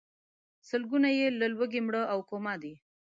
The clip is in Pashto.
سلګونه یې له لوږې مړه او کوما دي.